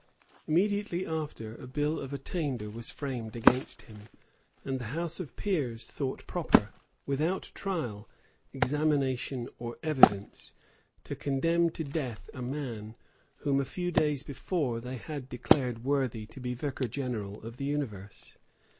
Immediately after a bill of attainder was framed against him; and the house of peers thought proper, without trial, examination, or evidence, to condemn to death a man, whom a few days before they had declared worthy to be vicar general of the universe.